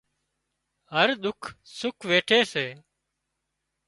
هر ڏُک سُک ويٺي سي